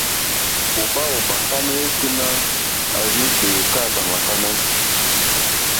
Òmá ò mà kánɛ́ yêténá à rzí ŋgbè èkáàtì à màkánɛ́.